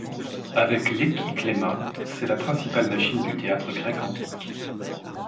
Avec l'ekkyklêma, c'est la principale machine du théâtre grec antique.